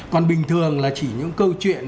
còn bình thường là chỉ những câu chuyện